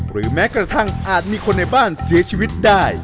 แม้กระทั่งอาจมีคนในบ้านเสียชีวิตได้